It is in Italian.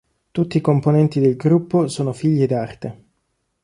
Tutti i componenti del gruppo sono figli d'arte.